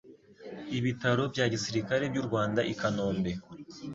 ibitaro bya gisirikare by u rwanda i kanombe